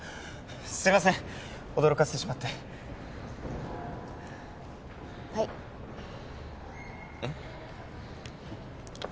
すいません驚かせてしまってはいえっ？